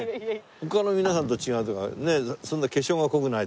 他の皆さんと違うとこはね。